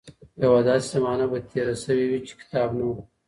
يوه داسې زمانه به تېره شوې وي چې کتاب نه و.